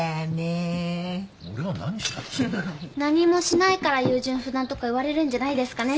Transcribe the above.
何もしないから優柔不断とか言われるんじゃないですかね。